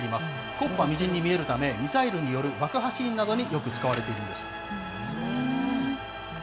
木っ端みじんに見えるため、ミサイルによる爆破シーンなどによく使われているんです。